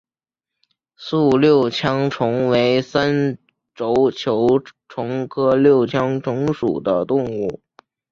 栗六枪虫为三轴球虫科六枪虫属的动物。